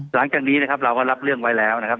หลังจากนี้นะครับเราก็รับเรื่องไว้แล้วนะครับ